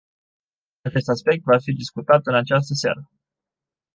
Acest aspect va fi discutat în această seară.